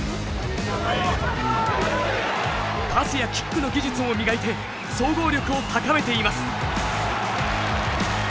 パスやキックの技術も磨いて総合力を高めています。